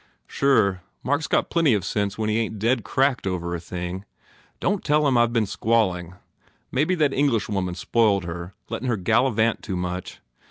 "Sure. Mark s got plenty of sense when he ain t dead cracked over a thing. Don t tell him I ve been squalling. Mebbe that Englishwoman spoiled her, lettin her gallivant too much.